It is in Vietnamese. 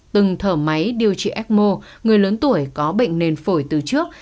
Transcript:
từng thở máy điều trị ecmo người lớn tuổi có bệnh nền phổi từ trước